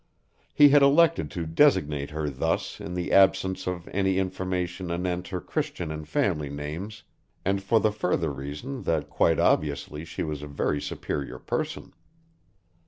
He had elected to designate her thus in the absence of any information anent her Christian and family names, and for the further reason that quite obviously she was a very superior person.